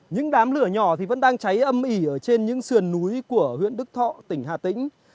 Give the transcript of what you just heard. những đám lửa nhỏ vẫn đang cháy âm ỉ ở trên những sườn núi của huyện đức thọ tỉnh hà tĩnh